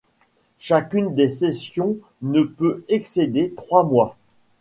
Chacune des sessions ne peut excéder trois mois.